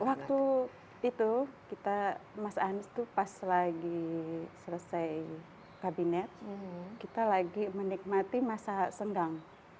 waktu itu kita mas anies itu pas lagi selesai kabinet kita lagi menikmati masa senggang